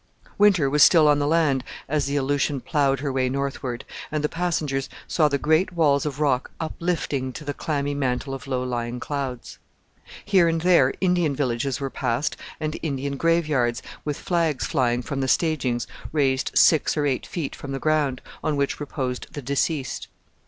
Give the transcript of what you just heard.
Winter was still on the land as the Aleutian ploughed her way northward, and the passengers saw the great walls of rock uplifting to the clammy mantle of low lying clouds. Here and there Indian villages were passed and Indian graveyards, with flags flying from the stagings, raised six or eight feet from the ground, on which reposed the deceased.